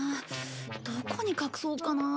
どこに隠そうかなあ。